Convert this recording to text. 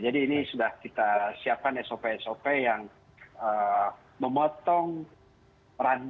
jadi ini sudah kita siapkan sop sop yang memotong rantai ke jatah tengah